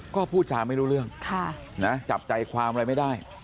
ก็พูดจาไม่รู้เรื่องจับใจความอะไรไม่ได้